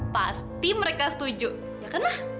pasti mereka setuju ya kan ma